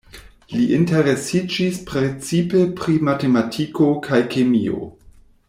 Li interesiĝis precipe pri matematiko kaj kemio.